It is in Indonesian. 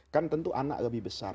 kan tentu anak lebih besar